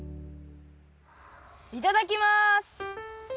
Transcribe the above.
いただきます！